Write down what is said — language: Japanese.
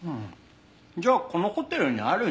じゃあこのホテルにあるんじゃない？